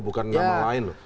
bukan nama lain loh